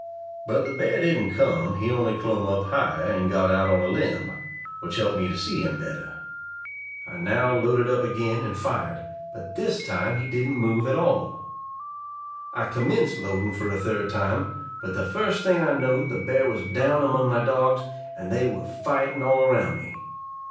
But the bear didn't come he only clomb up higher, and got out on a limb, which helped me to see him better. I now loaded up again and fired, but this time he didn't move at all. I commenced loading for a third fire, but the first thing I knowed, the bear was down among my dogs, and they were fighting all around me.